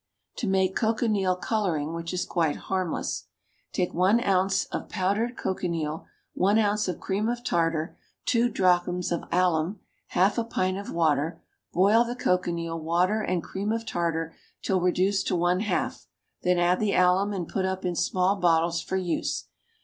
TO MAKE COCHINEAL COLORING WHICH IS QUITE HARMLESS. Take one ounce of powdered cochineal, one ounce of cream of tartar, two drachms of alum, half a pint of water; boil the cochineal, water, and cream of tartar till reduced to one half, then add the alum, and put up in small bottles for use.